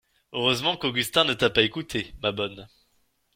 Heureusement qu'Augustin ne t'a pas écoutée, ma bonne!